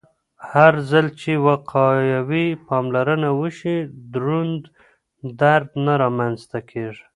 هرځل چې وقایوي پاملرنه وشي، دروند درد نه رامنځته کېږي.